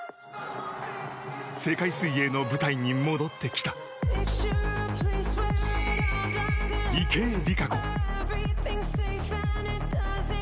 世界水泳の舞台に戻ってきた池江璃花子。